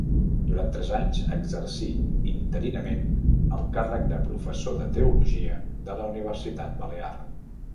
Durant tres anys exercí interinament el càrrec de professor de teologia de la Universitat Balear.